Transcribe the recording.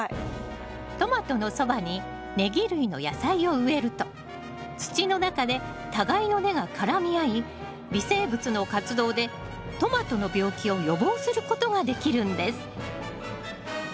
トマトのそばにネギ類の野菜を植えると土の中で互いの根が絡み合い微生物の活動でトマトの病気を予防することができるんです